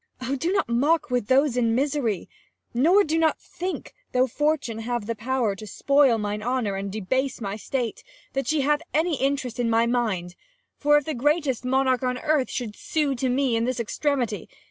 Oh, do not mock with those in misery, Nor do not think, though Fortune have the power, To spoil mine honour, and debase my state, 80 That she hath any interest in my mind : For if the greatest monarch on the earth, Should sue to me in this extremity, __